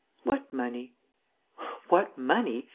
"What money?" "What money?